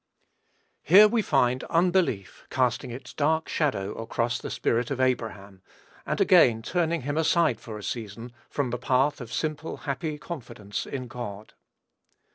Here we find unbelief casting its dark shadow across the spirit of Abraham, and again turning him aside for a season from the path of simple, happy confidence in God.